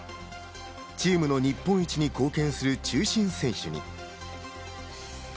チームの日本一に貢献する中心選手に。